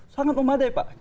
sangat memadai pak